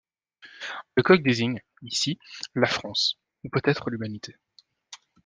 Le coq désigne, ici, la France, ou peut-être l'humanité.